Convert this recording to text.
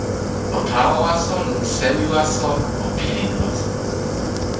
o tawa waso, lon sewi waso, o pilin e waso!